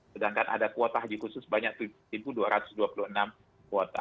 sedangkan ada kuota haji khusus sebanyak rp tujuh dua ratus dua puluh enam